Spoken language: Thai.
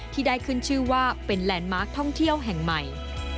ที่ได้ขึ้นชื่อว่าเป็นแลนด์มาร์คท่องเที่ยวแห่งใหม่